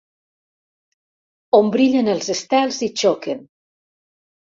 On brillen els estels i xoquen!